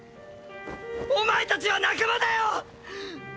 ⁉お前たちは仲間だよ！！